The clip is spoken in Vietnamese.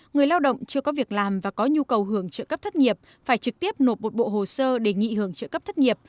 người lao động chưa có việc làm và có nhu cầu hưởng trợ cấp thất nghiệp phải trực tiếp nộp một bộ hồ sơ đề nghị hưởng trợ cấp thất nghiệp